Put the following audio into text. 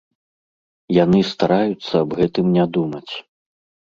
Яны стараюцца аб гэтым не думаць.